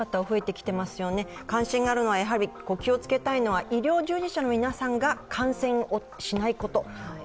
関心があるのは、気をつけたいのは、医療従事者の皆さんが感染しないこと。